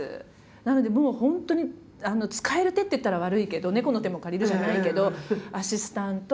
なのでもう本当に使える手って言ったら悪いけど猫の手も借りるじゃないけどアシスタント